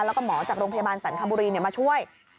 แล้วก็หมอจากโรงพยาบาลศรัลฟิภาพภัณฑ์ธรรมศัลกาบุรีมาช่วย